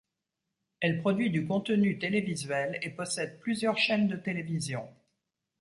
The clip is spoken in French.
Elle produit du contenu télévisuel et possède plusieurs chaînes de télévision.